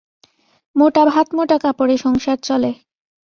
মোটা ভাত মোটা কাপড়ে সংসার চলে।